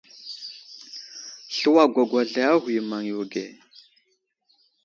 Slu agwagwazlay a ghuyo i maŋ yo age.